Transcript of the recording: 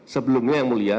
sebelumnya yang mulia